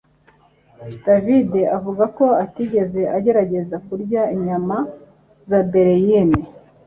David avuga ko atigeze agerageza kurya inyama za baleine